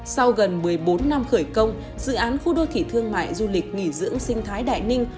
sau gần một mươi bốn năm khởi công dự án khu đô thị thương mại du lịch nghỉ dưỡng sinh thái đại ninh